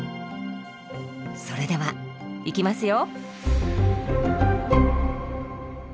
それではいきますよ！